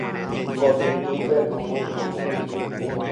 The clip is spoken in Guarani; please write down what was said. Kotypýpe oĩha.